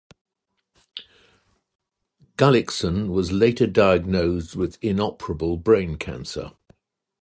Gullikson was later diagnosed with inoperable brain cancer.